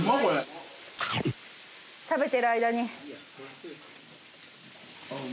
食べてる間に。